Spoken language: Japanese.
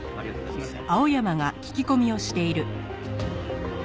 すいません。